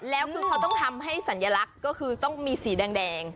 แล้วคือเขาต้องทำให้สัญลักษณ์ก็คือต้องมีสีแดง